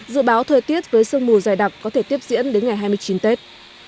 dự báo thời tiết với sương mù dày đặc có thể tiếp diễn đến ngày hai mươi chín tết